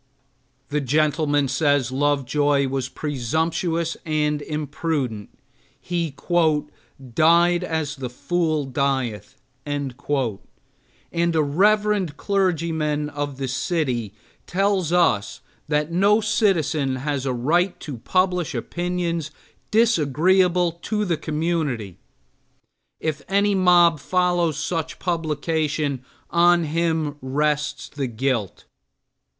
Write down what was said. The gentleman says Lovejoy was presumptuous and imprudent, he "died as the fool dieth." And a reverend clergyman of the city tells us that no citizen has a right to publish opinions disagreeable to the community! If any mob follows such publication on him rests the guilt.